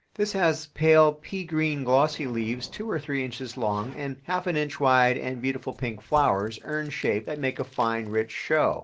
This has pale pea green glossy leaves two or three inches long and half an inch wide and beautiful pink flowers, urn shaped, that make a fine, rich show.